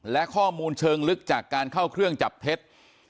และข้อมูลเชิงลึกจากการเข้าเครื่องจับเท็จ